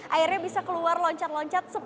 airnya bisa keluar loncat loncat